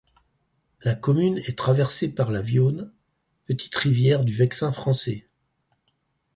La commune est traversée par la Viosne, petite rivière du Vexin français.